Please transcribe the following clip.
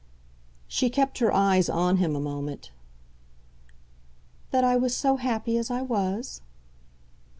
She kept her eyes on him a moment. "That I was so happy as I was?"